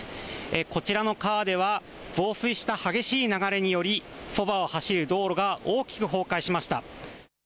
こちらの川では増水した激しい流れにより、そばを走る道路が大きく崩壊しました。